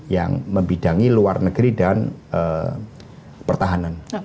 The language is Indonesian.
yang membidangi luar negeri dan pertahanan